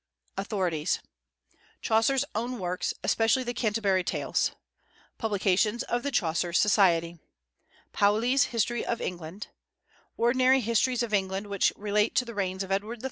AUTHORITIES. Chaucer's own works, especially the Canterbury Tales; publications of the Chaucer Society; Pauli's History of England; ordinary Histories of England which relate to the reigns of Edward III.